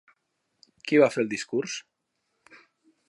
Qui va fer el discurs?